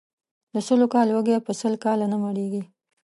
د سلو کالو وږى ، په سل کاله نه مړېږي.